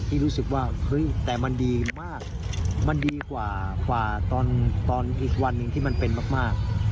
ที่รู้สึกว่าเฮ้ยแต่มันดีมากมันดีกว่าตอนอีกวันหนึ่งที่มันเป็นมาก